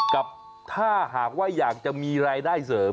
กับถ้าหากว่าอยากจะมีรายได้เสริม